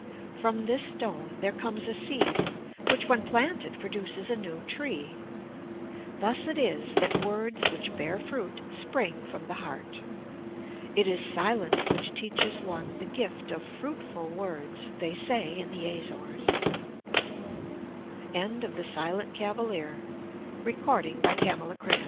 From this stone there comes a seed which when planted produces a new tree. Thus it is that words which bear fruit spring from the heart. It is silence which teaches one the gift of fruitful words, they say in the Azores. THE